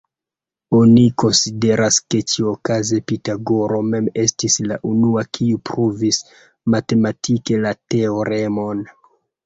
Oni konsideras ke ĉiukaze Pitagoro mem estis la unua kiu pruvis matematike la teoremon.